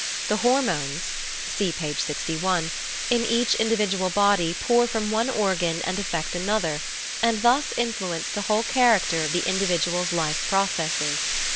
The hormones (see page 6i) in each individual body pour from one organ and afFect another, and thus influence the whole character of the individual's life processes.